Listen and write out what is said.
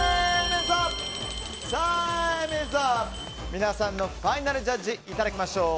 皆さんのファイナルジャッジいただきましょう。